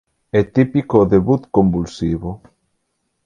É típico o debut convulsivo.